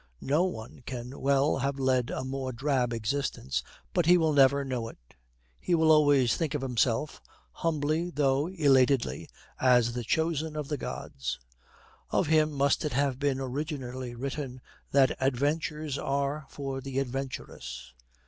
No one can well have led a more drab existence, but he will never know it; he will always think of himself, humbly though elatedly, as the chosen of the gods. Of him must it have been originally written that adventures are for the adventurous.